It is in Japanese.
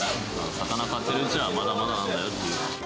魚を買っているうちはまだまだなんだよという。